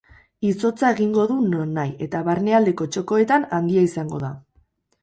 Izotza egingo du nonahi eta barnealdeko txokoetan handia izango da.